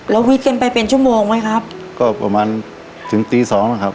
วิทย์กันไปเป็นชั่วโมงไหมครับก็ประมาณถึงตีสองนะครับ